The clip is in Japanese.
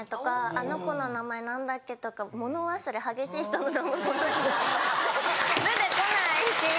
「あの子の名前何だっけ？」とか物忘れ激しい人のことしか出てこないし。